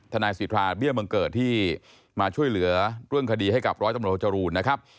นายสิทธาเบี้ยบังเกิดที่มาช่วยเหลือเรื่องคดีให้กับร้อยตำรวจโทจรูนนะครับ